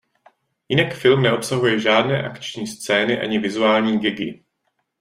Jinak film neobsahuje žádné akční scény ani vizuální gagy.